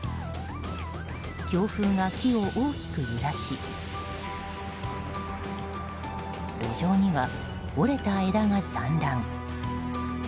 強風が木を大きく揺らし路上には折れた枝が散乱。